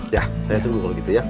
ya saya tunggu kalau gitu ya